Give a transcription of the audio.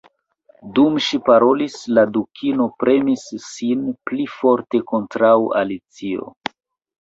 Dum ŝi parolis, la Dukino premis sin pli forte kontraŭ Alicio.